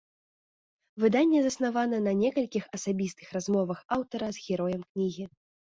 Выданне заснавана на некалькіх асабістых размовах аўтара з героем кнігі.